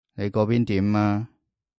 你嗰邊點啊？